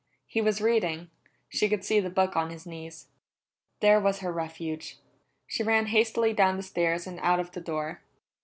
He was reading; she could see the book on his knees. There was her refuge; she ran hastily down the stairs and out of the door.